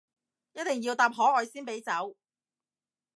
一定要答可愛先俾走